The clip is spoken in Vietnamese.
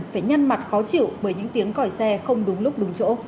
phải nhân mặt khó chịu bởi những tiếng còi xe không đúng lúc đúng chỗ